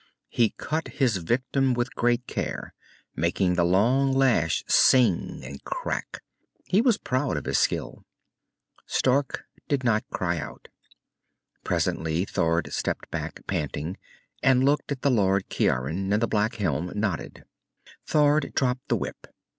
He cut his victim with great care, making the long lash sing and crack. He was proud of his skill. Stark did not cry out. Presently Thord stepped back, panting, and looked at the Lord Ciaran. And the black helm nodded. Thord dropped the whip.